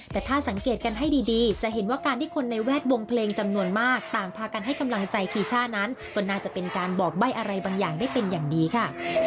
แต่ถ้าสังเกตกันให้ดีจะเห็นว่าการที่คนในแวดวงเพลงจำนวนมากต่างพากันให้กำลังใจคีช่านั้นก็น่าจะเป็นการบอกใบ้อะไรบางอย่างได้เป็นอย่างดีค่ะ